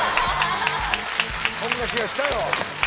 そんな気がしたよ。